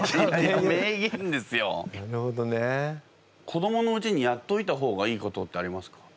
子どものうちにやっといた方がいいことってありますか？